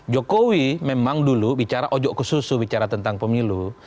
jokowi memang dulu bicara ojok ke susu bicara tentang pemilu